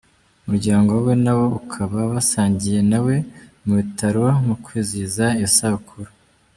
Umuryango we nawo ukaba wasangiye nawe mu bitaro mu kwizihiza iyo sabukuru.